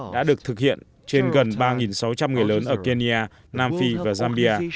đã được thực hiện trên gần ba sáu trăm linh người lớn ở kenya nam phi và zambia